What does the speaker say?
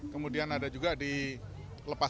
kemudian ada juga di lepang